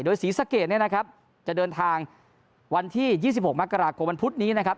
โดยศรีสะเกดนะครับจะเดินทางวันที่๒๖มกรกบพุธนี้นะครับ